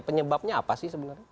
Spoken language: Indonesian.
penyebabnya apa sih sebenarnya